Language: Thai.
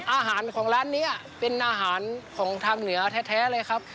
อาหารของร้านนี้เป็นอาหารของทางเหนือแท้เลยครับ